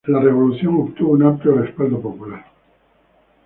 La revolución obtuvo un amplio respaldo popular.